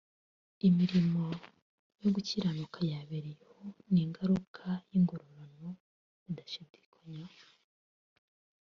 imirimo yo gukiranuka y'abera - iyo ni ingaruka y'ingororano bidashidikanywaho